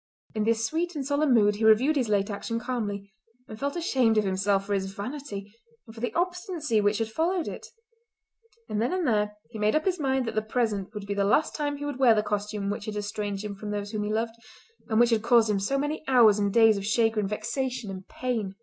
In this sweet and solemn mood he reviewed his late action calmly, and felt ashamed of himself for his vanity and for the obstinacy which had followed it. And then and there he made up his mind that the present would be the last time he would wear the costume which had estranged him from those whom he loved, and which had caused him so many hours and days of chagrin, vexation, and pain.